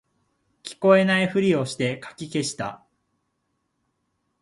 聞こえないふりしてかき消した